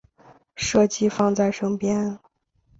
设计放在身边